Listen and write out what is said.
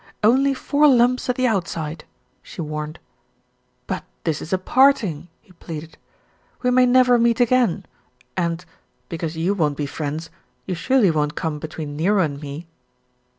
"Only four lumps at the outside," she warned. "But this is a parting," he pleaded. "We may never meet again and, because you won't be friends, you surely won't come between Nero and me."